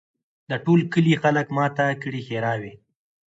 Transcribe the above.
د ټول کلي خلک ماته کړي ښراوي